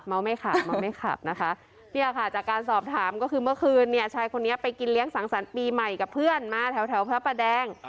ไม่ขับเมาไม่ขับนะคะเนี่ยค่ะจากการสอบถามก็คือเมื่อคืนเนี่ยชายคนนี้ไปกินเลี้ยงสังสรรค์ปีใหม่กับเพื่อนมาแถวแถวพระประแดง